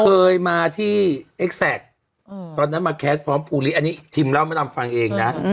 เคยมาที่เอ็กแซคตอนนั้นมาแคสพร้อมภูริอันนี้ทิมเล่ามาดำฟังเองนะ